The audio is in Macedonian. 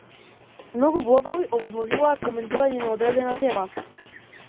Многу блогови овозможуваат коментирање на одредена тема.